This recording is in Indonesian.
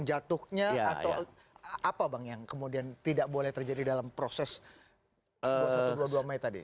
jatuhnya atau apa bang yang kemudian tidak boleh terjadi dalam proses dua ribu satu ratus dua puluh dua mei tadi